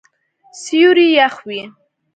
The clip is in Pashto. سیوری یخ وی